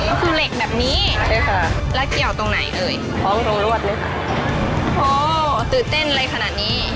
ตรงนี้คือเหล็กแบบนี้ราเกียวตรงไหนเอ๋ยพร้อมรวดเลยค่ะโหตื่นเต้นเลยขนาดนี้